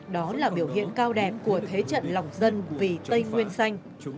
đó là biểu hiện cao đẹp của thế trận lòng dân vì tây nguyên xanh